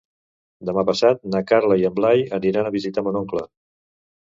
Demà passat na Carla i en Blai aniran a visitar mon oncle.